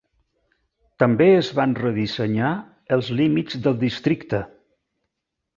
També es van redissenyar els límits del districte.